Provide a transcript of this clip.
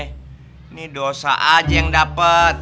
ini dosa aja yang dapat